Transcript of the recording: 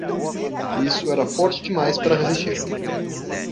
Isso era forte demais para resistir.